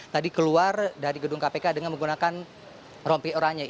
tadi keluar dari gedung kpk dengan menggunakan rompi oranye